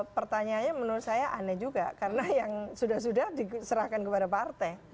pertanyaannya menurut saya aneh juga karena yang sudah sudah diserahkan kepada partai